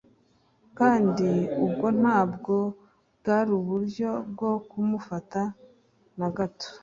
kandi ubwo ntabwo bwari uburyo bwo kumufata na gato.